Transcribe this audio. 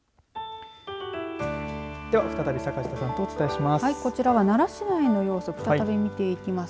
では、再び坂下さんとお伝えします。